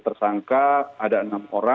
kita tidak bisa berdiri kita tidak bisa berdiri